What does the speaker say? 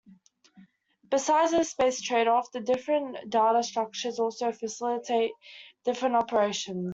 Besides the space trade-off, the different data structures also facilitate different operations.